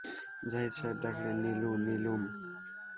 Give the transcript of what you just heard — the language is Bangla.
জাহিদ সাহেব ডাকলেন, নীলু, নীলুম।